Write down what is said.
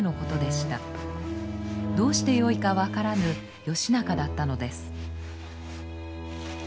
どうしてよいか分からぬ義仲だったのです。